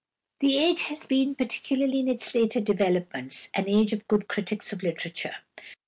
The age has been, particularly in its later developments, an age of good critics of literature.